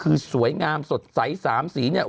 คือสวยงามสดใส๓สีเนี่ย